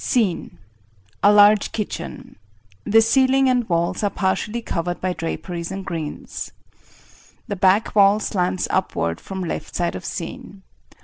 [SCENE. A large kitchen. The ceiling and walls are partially covered by draperies and greens. The back wall slants upward from left side of scene.